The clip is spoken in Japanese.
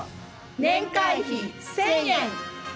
年会費１，０００円！